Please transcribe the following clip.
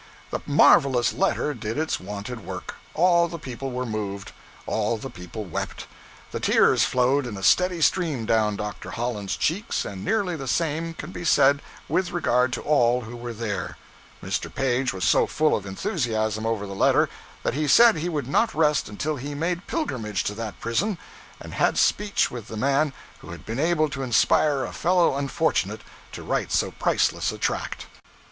The marvelous letter did its wonted work; all the people were moved, all the people wept; the tears flowed in a steady stream down Dr. Holland's cheeks, and nearly the same can be said with regard to all who were there. Mr. Page was so full of enthusiasm over the letter that he said he would not rest until he made pilgrimage to that prison, and had speech with the man who had been able to inspire a fellow unfortunate to write so priceless a tract.